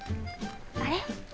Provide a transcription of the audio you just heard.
あれ？